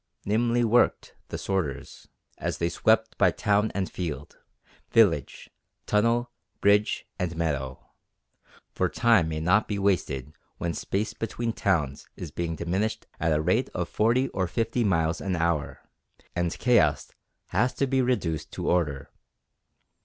Nimbly worked the sorters, as they swept by town and field, village, tunnel, bridge, and meadow, for time may not be wasted when space between towns is being diminished at the rate of forty or fifty miles an hour, and chaos has to be reduced to order.